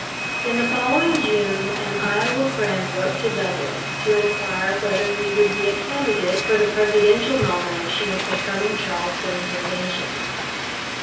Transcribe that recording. In the following June, an Iowa friend wrote to Douglas to inquire whether he would be a candidate for the Presidential nomination at the coming Charleston Convention.